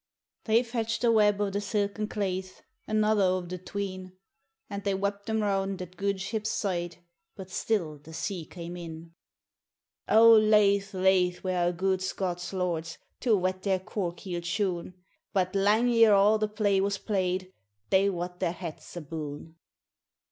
They fetch'd a web o' the silken claith, Another o' the twine, And they wapped them round that gude ship's side, But still the sea came in. O laith laith were our gude Scots lords To wet their cork heeled shoon ! But lang ere a' the play was play'd They wat their hats aboon.